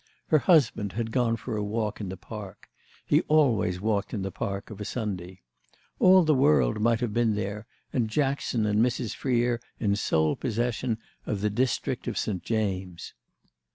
Her husband had gone for a walk in the Park—he always walked in the Park of a Sunday. All the world might have been there and Jackson and Mrs. Freer in sole possession of the district of Saint James's.